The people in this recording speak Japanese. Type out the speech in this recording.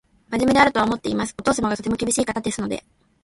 真面目であるとは思っています。お父様がとても厳しい方ですので